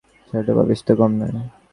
ছেলেটাও তো পাপিষ্ঠ কম নয়!